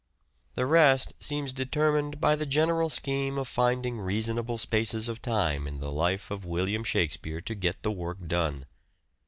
The rest seems determined by the general scheme of finding reasonable spaces of time in the life of William Shakspere to get the work done.